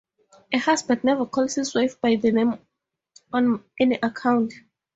A husband never calls his wife by name on any account.